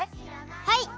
はい！